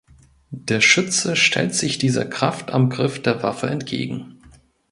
Der Schütze stellt sich dieser Kraft am Griff der Waffe entgegen.